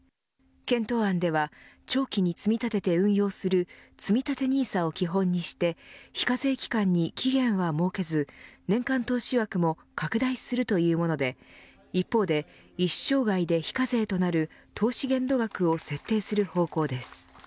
検討案では長期に積み立てて運用するつみたてＮＩＳＡを基本にして非課税期間に期限は設けず年間投資枠も拡大するというもので一方で一生涯で非課税となる投資限度額を設定する方向です。